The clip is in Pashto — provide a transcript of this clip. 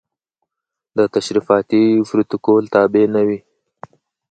د تشریفاتي پروتوکول تابع نه وي.